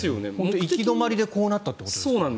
行き止まりでこうなったということですよね。